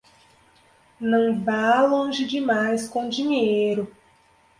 Não vá longe demais com dinheiro